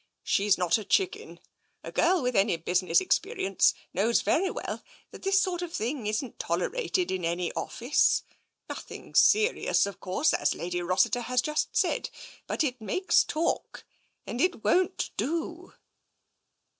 " She's not a chicken. A girl with any business experience knows very well that this sort of thing isn't tolerated in any office. Nothing serious, of course, as Lady Rossiter has just said, but it makes talk, and it won't do."